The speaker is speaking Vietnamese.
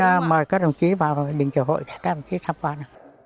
vâng xin mời các đồng chí vào địa phương để các đồng chí tham quan